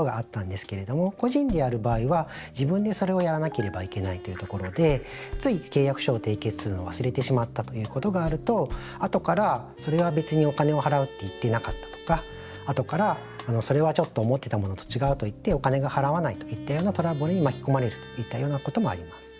これまで会社でやっていた場合は個人でやる場合はつい契約書を締結するのを忘れてしまったということがあるとあとからそれは別にお金を払うって言ってなかったとかあとからそれはちょっと思ってたものと違うと言ってお金が払わないといったようなトラブルに巻き込まれるといったようなこともあります。